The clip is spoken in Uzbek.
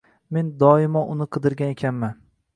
Men doimo uni qidirgan ekanman